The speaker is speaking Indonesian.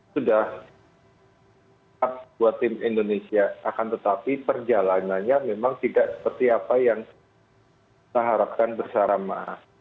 sudah buat tim indonesia akan tetapi perjalanannya memang tidak seperti apa yang kita harapkan bersama